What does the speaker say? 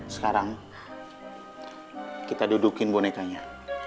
sekarang kita dudukin bonekanya